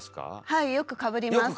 はいよくかぶります。